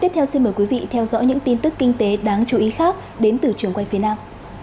tiếp theo xin mời quý vị theo dõi những tin tức kinh tế đáng chú ý khác đến từ trường quay phía nam